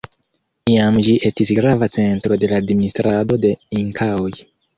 Iam ĝi estis grava centro de la administrado de Inkaoj.